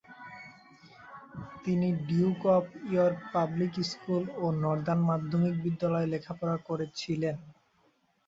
তিনি Duke of York public school ও Northern মাধ্যমিক বিদ্যালয়ের লেখাপড়া করেছিলেন।